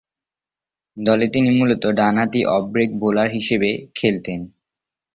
দলে তিনি মূলতঃ ডানহাতি অফ-ব্রেক বোলার হিসেবে খেলতেন।